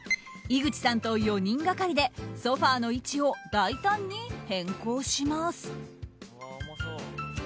井口さんと４人がかりでソファの位置を大胆に変更します。